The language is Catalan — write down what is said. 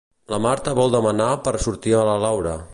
La Marta vol demanar per sortir a la Laura.